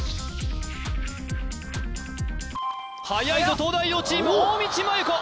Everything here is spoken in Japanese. はやいぞ東大王チーム大道麻優子